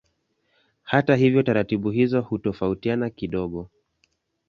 Hata hivyo taratibu hizi hutofautiana kidogo.